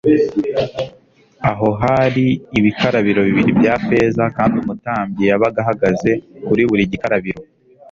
Aho hari ibikarabiro bibiri bya feza kandi umutambyi yabaga ahagaze kuri buri gikarabiro.